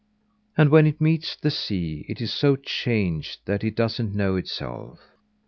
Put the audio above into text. And when it meets the sea, it is so changed that it doesn't know itself.